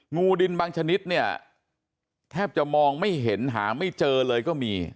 งูดินบางชนิดเนี่ยแทบจะมองไม่เห็นหาไม่เจอเลยก็มี